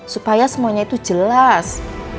supaya semuanya itu jelas